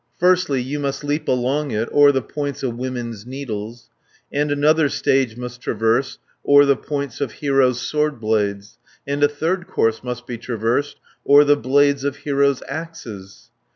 Firstly you must leap along it O'er the points of women's needles, 20 And another stage must traverse O'er the points of heroes' sword blades, And a third course must be traversed O'er the blades of heroes' axes."